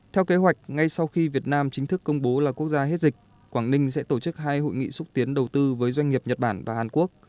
theo kế hoạch ngay sau khi việt nam chính thức công bố là quốc gia hết dịch quảng ninh sẽ tổ chức hai hội nghị xúc tiến đầu tư với doanh nghiệp nhật bản và hàn quốc